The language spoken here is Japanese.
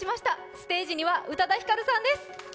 ステージには宇多田ヒカルさんです。